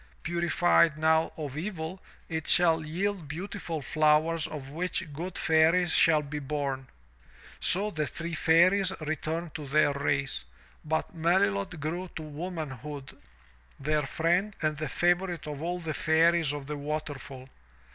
Purified now of evil, it shall yield beautiful flowers of which good Fairies shall be bom/' So the three Fairies returned to their race, but Melilot grew to womanhood their friend and the favorite of all the Fairies of the waterfall.